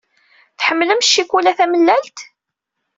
Tḥemmlem ccikula tamellalt?